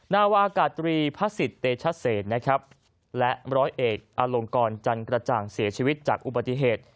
นาวาอากาศตรีพระศิษย์เตชเศษนะครับและร้อยเอกอลงกรจันกระจ่างเสียชีวิตจากอุบัติเหตุ